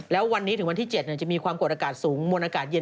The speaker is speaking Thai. แล้ววันนี้ถึงวันที่๗จะมีความกดอากาศสูงมวลอากาศเย็น